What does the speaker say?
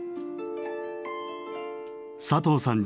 佐藤さん